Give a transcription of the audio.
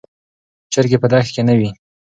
چرګې په دښت کې نه دي.